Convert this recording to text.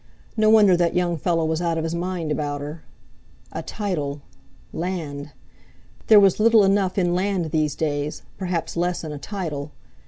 No wonder that young fellow was out of his mind about her. A title—land! There was little enough in land, these days; perhaps less in a title.